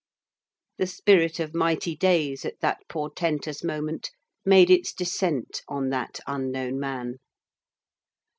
The spirit of mighty days at that portentous moment made its descent on that unknown man.